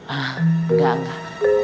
ah gak gak